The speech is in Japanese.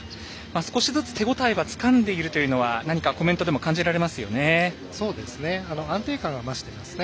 少しずつ手応えはつかんでいるというのは何かコメントでも感じられますよね。